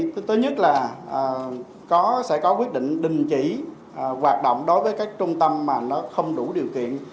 thứ nhất là sẽ có quyết định định chỉ hoạt động đối với các trung tâm không đủ điều kiện